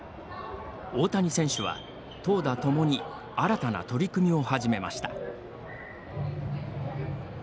大谷選手は投打共に新たな取り組みを始めました。